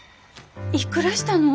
いくらしたの？